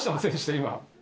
今。